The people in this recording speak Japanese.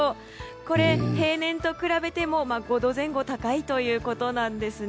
これ、平年と比べても５度前後高いということなんですね。